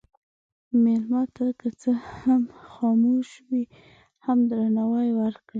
مېلمه ته که څه هم خاموش وي، هم درناوی ورکړه.